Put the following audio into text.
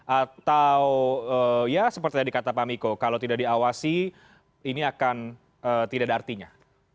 atau ya seperti yang dikata pak miko kalau tidak diawasi ini akan tidak ada artinya